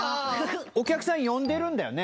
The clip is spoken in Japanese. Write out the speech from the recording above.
お客さん呼んでるんだよね？